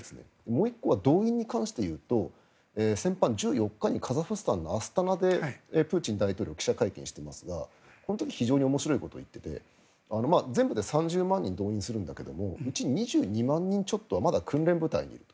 もう１個は動員に関して言うと先般１４日にカザフスタンのアスタナでプーチン大統領記者会見をしていますがこの時非常に面白いことを言っていて全部で３０万人動員するんだけどもうち２２万人ちょっとはまだ訓練部隊にいる。